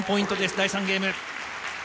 第３ゲーム。